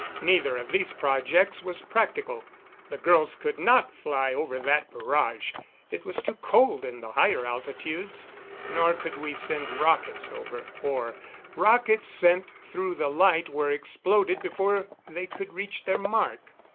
Neither of these projects was practical. The girls could not fly over that barrage. It was too cold in the higher altitudes. Nor could we send rockets over, for rockets sent through the light were exploded before they could reach their mark.